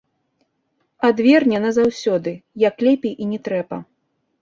Адверне назаўсёды, як лепей і не трэба.